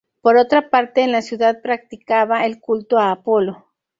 Por otra parte, en la ciudad se practicaba el culto a Apolo.